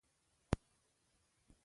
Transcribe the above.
بې عقل انسانان په هر کار کې ځناورتوب کوي.